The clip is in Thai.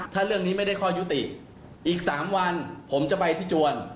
ถ้าเรื่องนี้ไม่ได้ข้อยุติอีก๓วันผมจะไปที่จวน